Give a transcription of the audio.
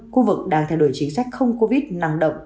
khu vực đang theo đuổi chính sách không covid nặng động